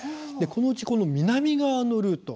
このうち、この南側のルート